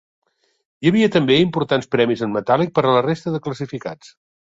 Hi havia també importants premis en metàl·lic per a la resta de classificats.